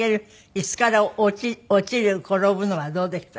椅子から落ちる転ぶのはどうでした？